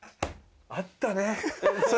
あったね！